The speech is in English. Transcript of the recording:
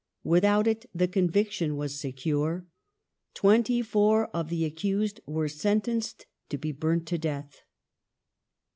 Without it the conviction was secure. Twenty four of the accused were sentenced to be burnt to death.